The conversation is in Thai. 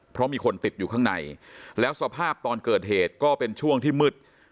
เพราะมีคนติดอยู่ข้างในแล้วสภาพตอนเกิดเหตุก็เป็นช่วงที่มืด